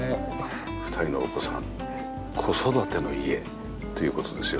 ２人のお子さん子育ての家という事ですよね。